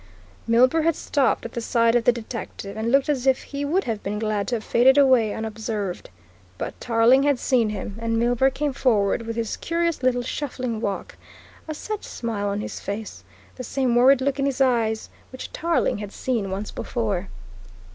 Milburgh had stopped at the sight of the detective, and looked as if he would have been glad to have faded away unobserved. But Tarling had seen him, and Milburgh came forward with his curious little shuffling walk, a set smile on his face, the same worried look in his eyes, which Tarling had seen once before.